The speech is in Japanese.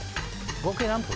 合計何分？